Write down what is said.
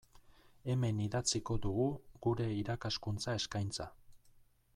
Hemen idatziko dugu gure irakaskuntza eskaintza.